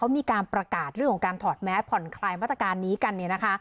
มีการประกาศเรื่องของการถอดแมสผ่อนคลายมัตกาลนี้กัน